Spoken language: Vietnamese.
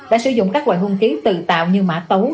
đã sử dụng các hoài hung ký tự tạo như mã tấu